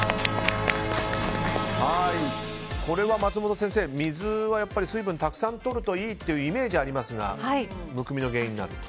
これは松本先生水はたくさんとるといいというイメージがありますがむくみの原因になると。